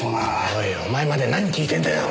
おいお前まで何聞いてんだよ！